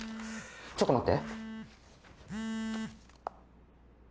ちょっと待って。